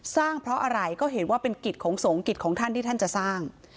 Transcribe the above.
สร้างเพราะอะไรก็เห็นว่าเป็นกิจของสงฆ์กิจของท่านที่ท่านจะสร้าง